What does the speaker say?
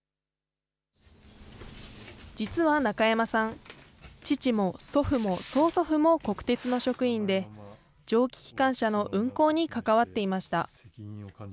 実は中山さん、父も祖父も曽祖父も国鉄の職員で、蒸気機関車の運行に関わっていました。